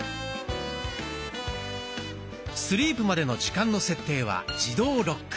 スリープまでの時間の設定は「自動ロック」。